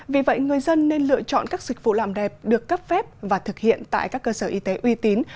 vì vậy người dân nên lựa chọn các dịch vụ làm đẹp được cấp phép và thực hiện tại các cơ sở y tế uy tín